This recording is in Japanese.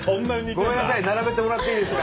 ごめんなさい並べてもらっていいですか。